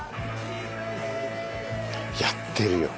やってるよ。